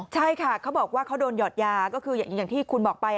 ใช่ค่ะเขาบอกว่าเขาโดนหยอดยาก็คืออย่างที่คุณบอกไป